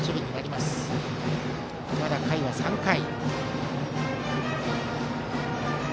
まだ回は３回。